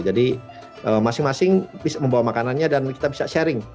jadi masing masing bisa membawa makanannya dan kita bisa sharing